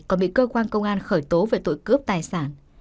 còn bị cơ quan công an khởi tố về tội cướp tài sản